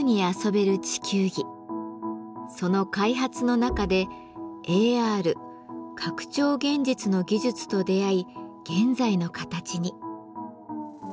その開発の中でＡＲ拡張現実の技術と出会い現在の形に。